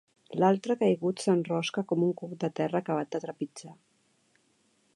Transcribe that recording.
L'altre caigut s'enrosca com un cuc de terra acabat de trepitjar.